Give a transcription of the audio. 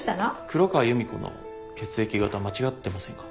黒川由美子の血液型間違ってませんか？